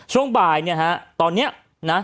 ช่วงบ่ายเนี่ยฮะตอนนี้นะ